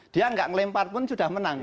dia gak melempar pun sudah menang